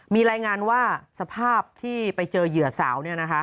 มีรายงานว่าสภาพที่ไปเจอเหยื่อสาว